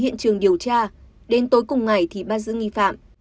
hiện trường điều tra đến tối cùng ngày thì bắt giữ nghi phạm